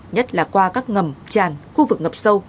nhất là qua các ngầm tràn khu vực ngập sâu